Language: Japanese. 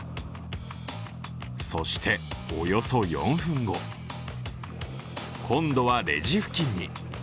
そしておよそ４分後、今度はレジ付近に。